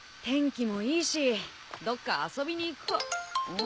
天気もいいしどっか遊びに行く。